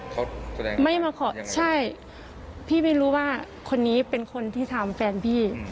เขาแสดงไม่มาขอใช่พี่ไม่รู้ว่าคนนี้เป็นคนที่ทำแฟนพี่